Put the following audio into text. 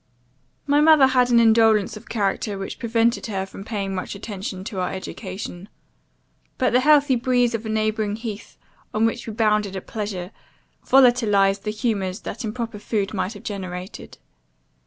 "My mother had an indolence of character, which prevented her from paying much attention to our education. But the healthy breeze of a neighbouring heath, on which we bounded at pleasure, volatilized the humours that improper food might have generated.